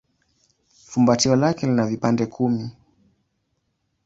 Fumbatio lake lina vipande kumi.